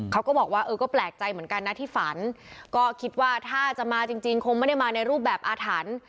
เขาก็บอกว่าเออก็แปลกใจเหมือนกันนะที่ฝันก็คิดว่าถ้าจะมาจริงคงไม่ได้มาในรูปแบบอาถรรพ์